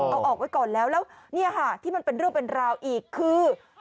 เอาออกไว้ก่อนแล้วแล้วเนี่ยค่ะที่มันเป็นเรื่องเป็นราวอีกคือ